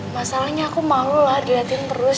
masalahnya aku malu lah dilihatin terus